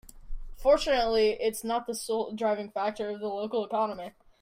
Fortunately its not the sole driving factor of the local economy.